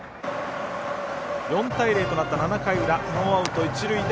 ４対０となった７回の裏ノーアウト、一塁で